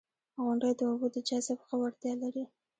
• غونډۍ د اوبو د جذب ښه وړتیا لري.